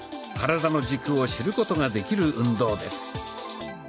体の軸を知ることができる運動です。